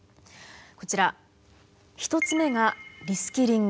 こちら１つ目がリスキリング。